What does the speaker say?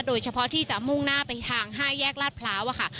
โดยเฉพาะที่จะมุ่งหน้าไปทาง๕แยกลาดพร้าวค่ะ